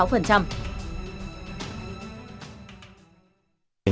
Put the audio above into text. hình giao thông